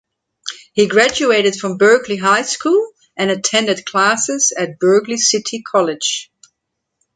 He graduated from Berkeley High School and attended classes at Berkeley City College.